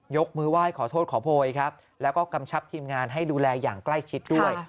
ยกมือไหว้ขอโทษขอโพยครับแล้วก็กำชับทีมงานให้ดูแลอย่างใกล้ชิดด้วย